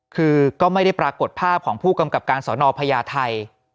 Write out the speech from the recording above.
คือก็ไม่ได้ปรากฏภาพของผู้กำกับการสอนอพญาไทย